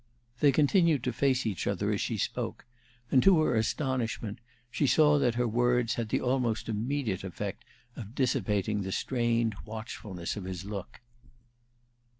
They continued to face each other as she spoke, and to her astonishment, she saw that her words had the almost immediate effect of dissipating the strained watchfulness of his look.